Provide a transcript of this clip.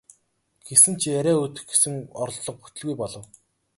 Гэсэн ч яриа өдөх гэсэн оролдлого бүтэлгүй болов.